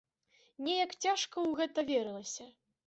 Неяк цяжка ў гэта верылася.